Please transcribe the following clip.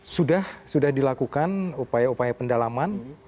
sudah sudah dilakukan upaya upaya pendalaman